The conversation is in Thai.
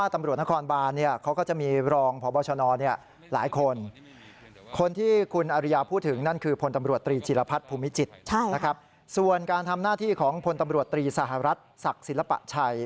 ตำรวจตรีจิรพัฒน์ภูมิจิตรนะครับส่วนการทำหน้าที่ของพตรศศักดิ์ศิลปะชัย